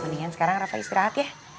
mendingan sekarang rasa istirahat ya